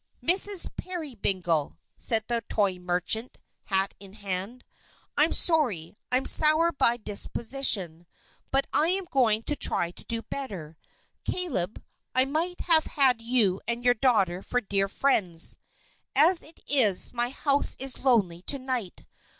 "Mrs. Peerybingle!" said the toy merchant, hat in hand, "I'm sorry. I'm sour by disposition, but I am going to try to do better. Caleb, I might have had you and your daughter for dear friends. As it is, my house is lonely to night.